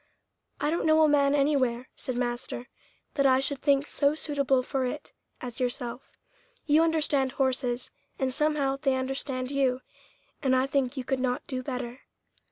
"I don't know a man anywhere," said master, "that I should think so suitable for it as yourself. You understand horses, and somehow they understand you, and I think you could not do better."